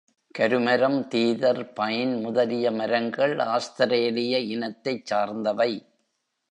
கரு மரம், தீதர், பைன் முதலிய மரங்கள் ஆஸ்திரேலிய இனத்தைச் சார்ந்தவை.